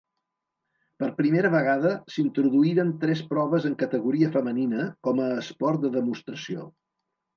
Per primera vegada s'introduïren tres proves en categoria femenina com a esport de demostració.